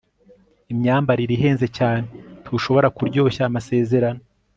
imyambarire ihenze cyane. ntushobora kuryoshya amasezerano